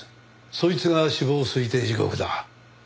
そいつが死亡推定時刻だ。